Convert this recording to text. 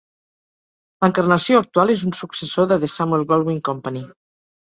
L'encarnació actual és un successor de The Samuel Goldwyn Company.